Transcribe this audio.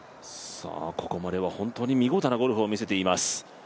ここまでは本当に見事なゴルフを見せています。